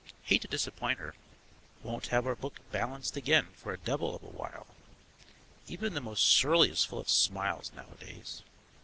Hate to disappoint her. Won't have our book balanced again for a devil of a while. Even the most surly is full of smiles nowadays.